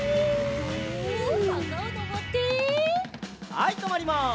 はいとまります。